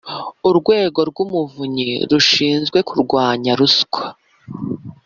Urwego rw Umuvunyi rushinzwe kurwanya ruswa